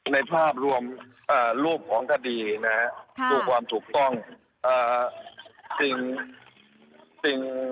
ในภาพรวมรูปของคดีนะฮะดูความถูกต้องสิ่งสิ่ง